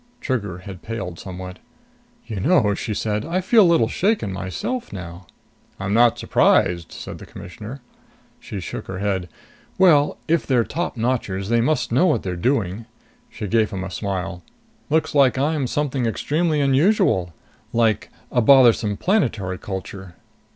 Trigger had paled somewhat. "You know," she said, "I feel a little shaken myself now." "I'm not surprised," said the Commissioner. She shook her head. "Well if they're topnotchers, they must know what they're doing." She gave him a smile. "Looks like I'm something extremely unusual! Like a bothersome planetary culture....